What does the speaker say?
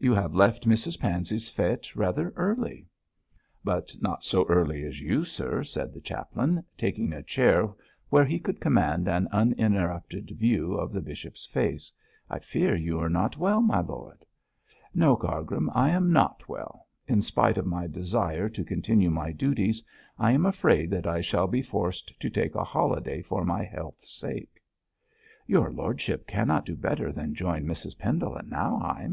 You have left Mrs Pansey's fête rather early.' 'But not so early as you, sir,' said the chaplain, taking a chair where he could command an uninterrupted view of the bishop's face. 'I fear you are not well, my lord.' 'No, Cargrim, I am not well. In spite of my desire to continue my duties, I am afraid that I shall be forced to take a holiday for my health's sake.' 'Your lordship cannot do better than join Mrs Pendle at Nauheim.'